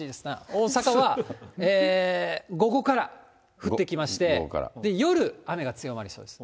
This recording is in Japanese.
大阪は午後から降ってきまして、夜、雨が強まりそうです。